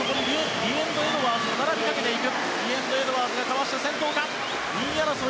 リエンド・エドワーズが並びかけていく。